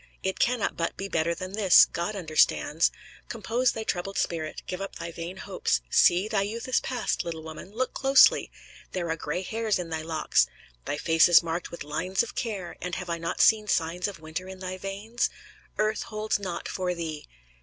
It can not but be better than this God understands! Compose thy troubled spirit, give up thy vain hopes. See! thy youth is past, little woman; look closely! there are gray hairs in thy locks, thy face is marked with lines of care, and have I not seen signs of winter in thy veins? Earth holds naught for thee.